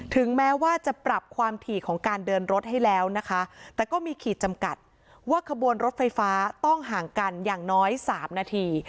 ถึงแม้ว่าจะปรับความถี่ของการเดินรถให้แล้วนะคะแต่ก็มีขีดจำกัดว่าขบวนรถไฟฟ้าต้องห่างกันอย่างน้อย๓นาที